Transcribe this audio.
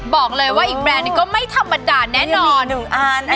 บอกเลยว่าอีกแบรนด์นี้ก็ไม่ธรรมดาแน่นอน๑อัน